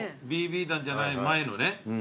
ＢＢ弾じゃない前のねこの銃。